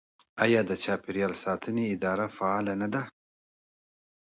آیا د چاپیریال ساتنې اداره فعاله نه ده؟